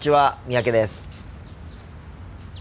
三宅です。